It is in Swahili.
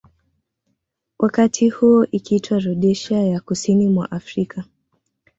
Wakati huo ikiitwa Rhodesia ya kusini mwa Afrika